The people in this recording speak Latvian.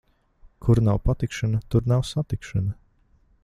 Kur nav patikšana, tur nav satikšana.